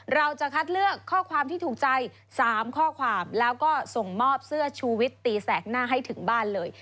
เราจะคัดเลือกข้อความที่ถูกใจ๓ข้อความแล้วก็ส่งมอบเสื้อชูวิตตีแสกหน้าให้ถึงบ้านเลย